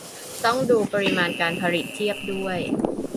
ต้องดูปริมาณการผลิตเทียบด้วย